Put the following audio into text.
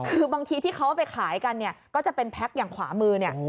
คือบางทีที่เขาเอาไปขายกันก็จะเป็นแพ็กอย่างขวามือ